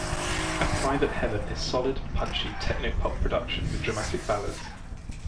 A Private Heaven is solid, punchy, techno-pop production with dramatic ballads.